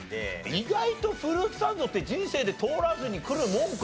意外とフルーツサンドって人生で通らずにくるもんか？